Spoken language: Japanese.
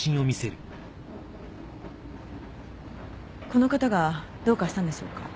この方がどうかしたんでしょうか？